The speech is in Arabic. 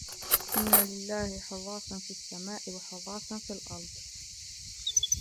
إنَّ لِلَّهِ حُرَّاسًا فِي السَّمَاءِ وَحُرَّاسًا فِي الْأَرْضِ